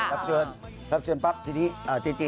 รับเชิญปั๊บทีนี้เจ๊